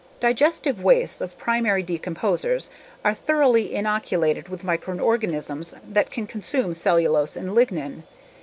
Digestive wastes of primary decomposers are thoroughly inoculated with microorganisms that can consume cellulose and lignin.